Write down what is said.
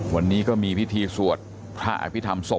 วันนี้ก็มีพิธีสวดพระอภิษฐรรศพ